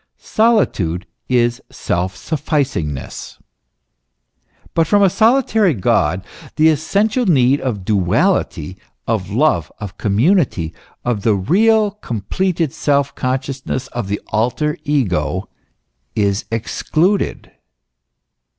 Solitude is self sufficing ness. But from a solitary God the essential need, of duality, of love, of community, of the real, completed self consciousness, of the alter ego, is excluded.